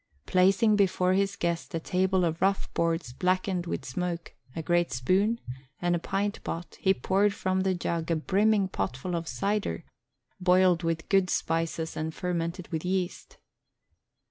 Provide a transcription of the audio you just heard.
Placing before his guest a table of rough boards blackened with smoke, a great spoon, and a pint pot, he poured from the jug a brimming potful of cider, boiled with good spices and fermented with yeast.